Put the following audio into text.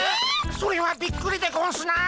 それはびっくりでゴンスなあ。